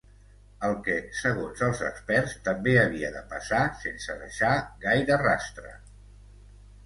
El que, segons els experts, també havia de passar sense deixar gaire rastre.